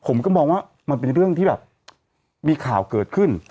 ผมก็มองว่ามันเป็นเรื่องที่แบบมีข่าวเกิดขึ้น